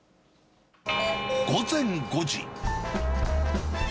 午前５時。